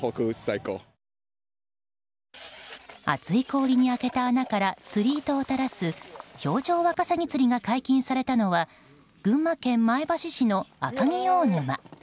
厚い氷に開けた穴から釣り糸をたらす氷上ワカサギ釣りが解禁されたのは群馬県前橋市の赤城大沼。